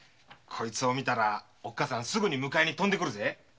こいつを見たらおっかさんすぐに迎えに飛んでくるぜ。